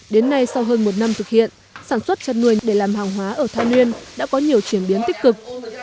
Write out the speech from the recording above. đến nay sau hơn một năm thực hiện sản xuất chất nuôi để làm hàng hóa ở tha nguyên đã có nhiều triển biến tích cực